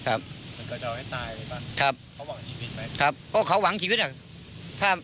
มันก็จะเอาให้ตายเลยป่ะเขาหวังชีวิตไหม